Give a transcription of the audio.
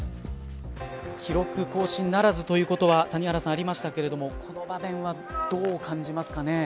記録更新ならずということは谷原さん、ありましたけれどもこの場面はどう感じますか。